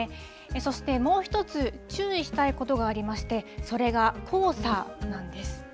そして、もう一つ、注意したいことがありまして、それが黄砂なんです。